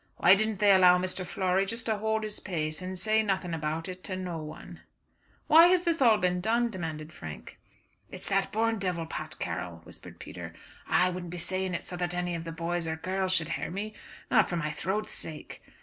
Why didn't they allow Mr. Flory just to hould his pace and say nothing about it to no one?" "Why has all this been done?" demanded Frank. "It's that born divil, Pat Carroll," whispered Peter. "I wouldn't be saying it so that any of the boys or girls should hear me, not for my throat's sake.